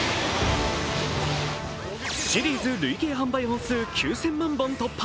シリーズ累計販売本数９０００万本突破。